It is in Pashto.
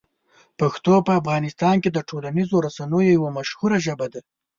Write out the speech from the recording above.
پښتو په افغانستان کې د ټولنیزو رسنیو یوه مشهوره ژبه ده.